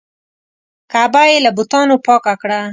کعبه یې له بتانو پاکه کړه.